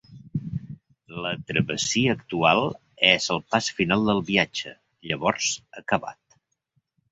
La travessia actual és el pas final del viatge, llavors acabat.